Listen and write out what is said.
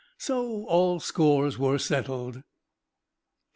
So all scores were settled.